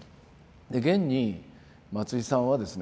現に松井さんはですね